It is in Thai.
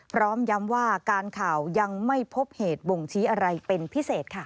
พร้อมย้ำว่าการข่าวยังไม่พบเหตุบ่งชี้อะไรเป็นพิเศษค่ะ